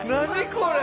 これ！